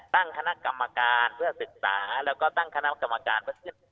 ตั้งคณะกรรมการเพื่อศึกษาแล้วก็ตั้งคณะกรรมการเพื่อ